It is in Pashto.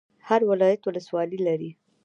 هر ولایت ولسوالۍ لري